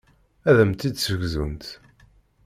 Ad am-tt-id-ssegzunt.